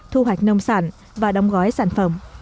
thu hoạch nông sản và đóng gói sản phẩm